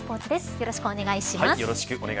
よろしくお願いします。